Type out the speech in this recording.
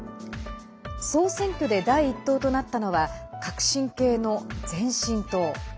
総選挙で第１党となったのは革新系の前進党。